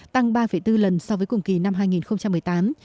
tăng ba bốn lần so với cùng kỳ năm hai nghìn một mươi tám